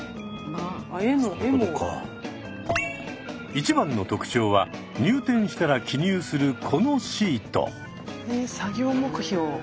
一番の特徴は入店したら記入するこのシート。